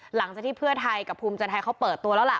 หลังจากที่เพื่อไทยกับภูมิใจไทยเขาเปิดตัวแล้วล่ะ